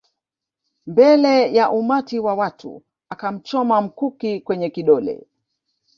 Mbele ya umati wa watu akamchoma mkuki kwenye kidole